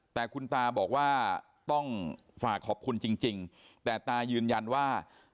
แต่คุณตาบอกว่าต้องฝากขอบคุณจริงแต่ตายืนยันว่า